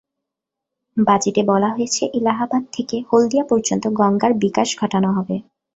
বাজেটে বলা হয়েছে, এলাহাবাদ থেকে হলদিয়া পর্যন্ত গঙ্গার বিকাশ ঘটানো হবে।